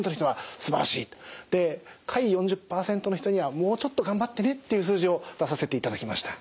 で下位４０％の人にはもうちょっと頑張ってねっていう数字を出させていただきました。